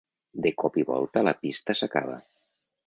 De cop i volta la pista s'acaba.